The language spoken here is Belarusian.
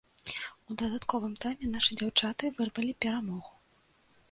У дадатковым тайме нашы дзяўчаты вырвалі перамогу.